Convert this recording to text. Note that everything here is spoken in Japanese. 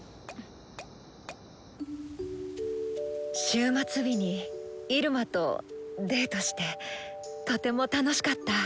終末日にイルマとデートしてとても楽しかった。